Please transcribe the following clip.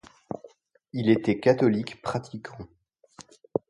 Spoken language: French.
Il était catholique pratiquant.